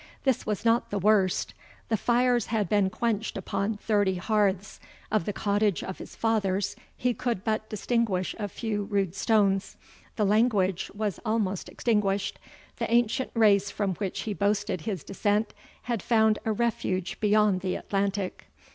This was not the worst. The fires had been quenched upon thirty hearths of the cottage of his fathers he could but distinguish a few rude stones the language was almost extinguished the ancient race from which he boasted his descent had found a refuge beyond the Atlantic.